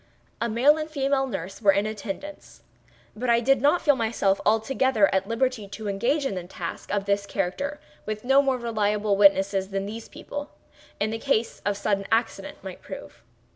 A male and a female nurse were in attendance; but I did not feel myself altogether at liberty to engage in a task of this character with no more reliable witnesses than these people, in case of sudden accident, might prove.